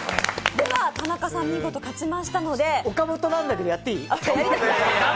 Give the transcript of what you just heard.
田中さん、見事勝ちましたので岡本なんだけどやっていい？